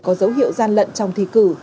có dấu hiệu gian lận trong thi cử